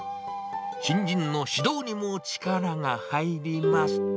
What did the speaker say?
新人の指導にも力が入ります。